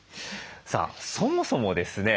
そもそもですね